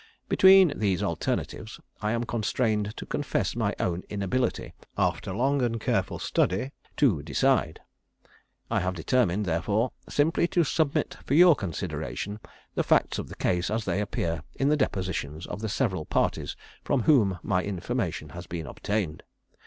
"Between these alternatives I am constrained to confess my own inability, after long and careful study, to decide. I have determined, therefore, simply to submit for your consideration the facts of the case as they appear in the depositions of the several parties from whom my information has been obtained.